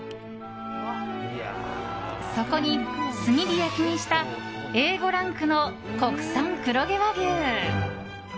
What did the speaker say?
そこに炭火焼きにしたＡ５ランクの国産黒毛和牛。